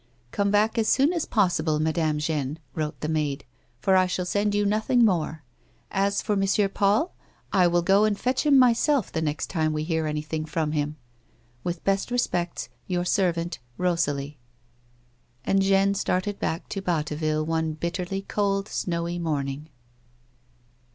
" Come back as soon as possible, Madame Jeanne," wrote the maid, "for I shall send you nothing more. As for M. Paul, I will go and fetch him rnyself the next time we hear anything from him. — With best respects, your servant, "EO.SALIE." And Jeanne started back to Batteville one bitterly cold, snowy morning.